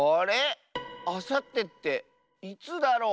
あさってっていつだろ？